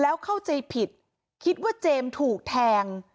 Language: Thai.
แล้วเข้าใจผิดคิดว่าเจมส์ถูกแทง